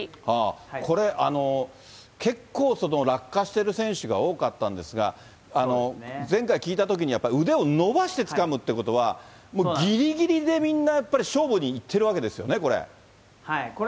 これ、結構落下してる選手が多かったんですが、前回聞いたときに、腕を伸ばしてつかむっていうことはもうぎりぎりで、みんなやっぱり勝負にいってるわけですよね、これ。